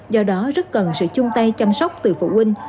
do đó rất cần sự chung tay chăm sóc từ phụ huynh